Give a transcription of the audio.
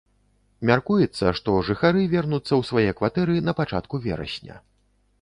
Мяркуецца, што жыхары вернуцца ў свае кватэры на пачатку верасня.